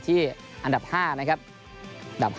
ที่อันดับ๕นะครับ